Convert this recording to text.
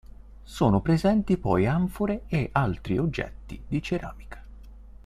Sono presenti poi anfore e altri oggetti di ceramica.